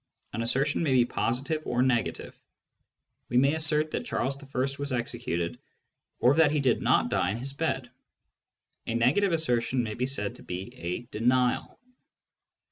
An assertion may be positive or negative : we may assert that Charles I. was executed, or that he did not die in his bed. A negative assertion may be said to be a denial.